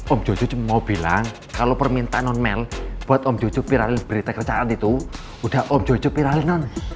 om jojo mau bilang kalau permintaan on mail buat om jojo piralin berita kerjaan itu udah om jojo piralin